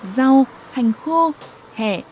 rau hành khô hẹ